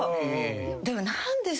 でも何で。